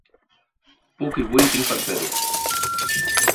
Puc i vull i tinc per fer-ho.